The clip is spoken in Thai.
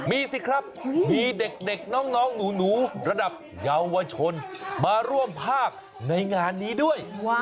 มีสิครับมีเด็กน้องหนูระดับเยาวชนมาร่วมภาคในงานนี้ด้วย